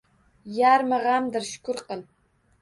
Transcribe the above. Yarmi g’amdir, shukr qil.